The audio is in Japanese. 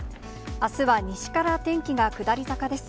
あすは西から天気が下り坂です。